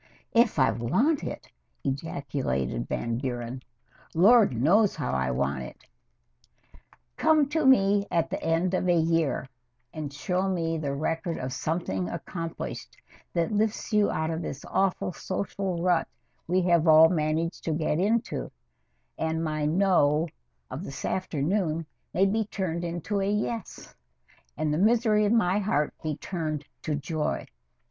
"If I want it!" ejaculated Van Buren. "Lord knows how I want it!" Come to me at the end of a year and show me the record of something accomplished, that lifts you out this awful social rut we have all managed to get into, and my "no" of this afternoon may be turned into a "yes," and the misery of my heart be turned to joy.